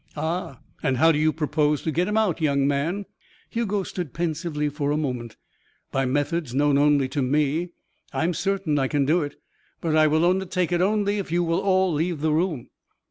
"Ah. And how do you propose to get him out, young man?" Hugo stood pensively for a moment. "By methods known only to me. I am certain I can do it but I will undertake it only if you will all leave the room."